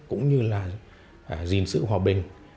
cũng như là gìn sự hòa bình